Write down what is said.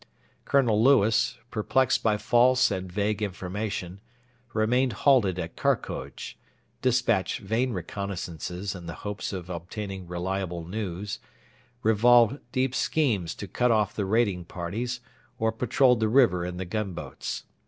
Colonel Lewis, perplexed by false and vague information, remained halted at Karkoj, despatched vain reconnaissances in the hopes of obtaining reliable news, revolved deep schemes to cut off the raiding parties, or patrolled the river in the gunboats.